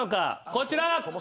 こちら。